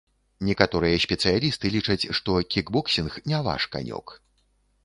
Некаторыя спецыялісты лічаць, што кікбоксінг не ваш канёк.